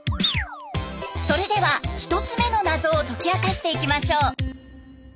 それでは１つ目の謎を解き明かしていきましょう。